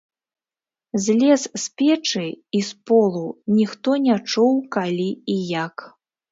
Злез з печы і з полу, ніхто не чуў, калі і як.